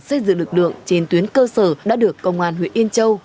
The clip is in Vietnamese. xây dựng lực lượng trên tuyến cơ sở đã được công an huyện yên châu